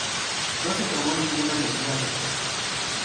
No se tomó ninguna medida al respecto.